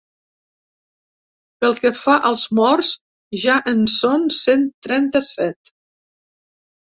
Pel que fa als morts, ja en són cent trenta-set.